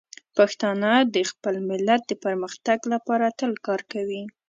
پښتانه د خپل ملت د پرمختګ لپاره تل کار کوي.